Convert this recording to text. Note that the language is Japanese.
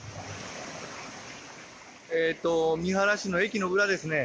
三原市の駅の裏ですね。